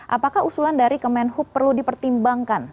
apakah usulan dari kemenhub perlu dipertimbangkan